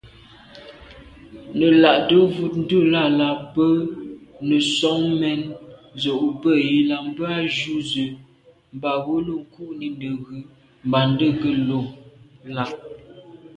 Nə̀ là’tə̌ wud, ndʉ̂lαlα mbə̌ nə̀ soŋ mɛ̌n zə̀ ò bə̂ yi lα, bə α̂ ju zə̀ mbὰwəlô kû’ni nə̀ ghʉ̀ mbὰndʉ̌kəlô lα.